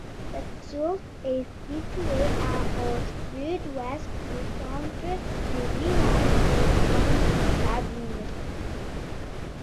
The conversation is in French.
Cette source est située à au Sud-Ouest du centre du village de Sainte-Sabine.